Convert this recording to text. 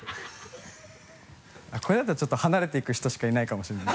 これだとちょっと離れていく人しかいないかもしれない。